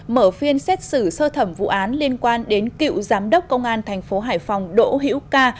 mở phiên xét xử sơ thẩm vụ án liên quan đến cựu giám đốc công an thành phố hải phòng đỗ hiễu ca